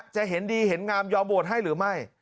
จะเห็นดีเห็นงามยอมโหวตให้หรือไม่